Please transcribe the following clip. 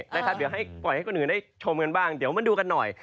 เดี๋ยวให้ปล่อยให้คนอื่นได้ชมกันบ้างเดี๋ยวมาดูกันหน่อย